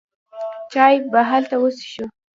چای به هلته وڅښو.